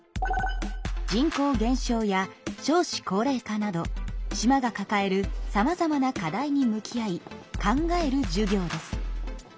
人口減少や少子高齢化など島がかかえるさまざまな課題に向き合い考える授業です。